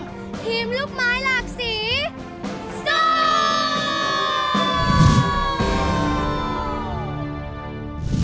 ทีมลูกไม้หลากสีสอง